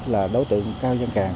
là đối tượng cao dân càng